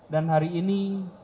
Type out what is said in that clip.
dan hari ini